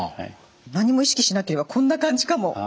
何も意識しなければこんな感じかも！